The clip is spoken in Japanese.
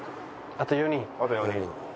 あと４人。